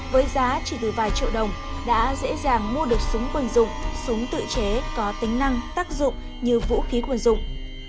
với giá chỉ từ vài triệu đồng đã dễ dàng mua được súng quân dụng súng tự chế có tính năng tác dụng như vũ khí quân dụng